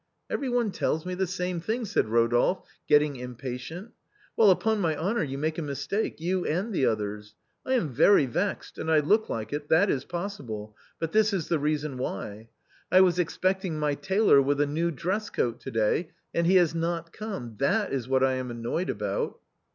" Every one tells me the same thing," said Eodolphe, getting impatient. "Well, upon my honor, you make a mistake, you and the others. I am very vexed, and I look like it, that is possible, but this is the reason why, I was expecting my tailor with a new dress coat to day, and he has not come, that is what I am annoyed about."